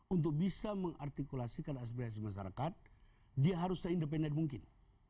untuk bisa mengartikulasikan aspirasi masyarakat dia harus seindependen mungkin